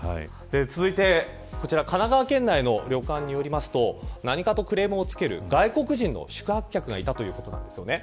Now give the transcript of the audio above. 続いて、こちら神奈川県内の旅館によりますと何かとクレームをつける外国人の宿泊客がいたということです。